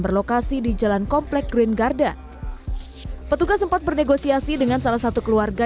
berlokasi di jalan komplek green garda petugas sempat bernegosiasi dengan salah satu keluarga